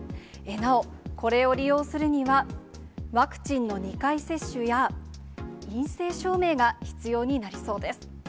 なお、これを利用するには、ワクチンの２回接種や、陰性証明が必要になりそうです。